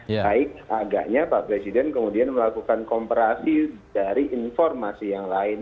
baik agaknya pak presiden kemudian melakukan komparasi dari informasi yang lain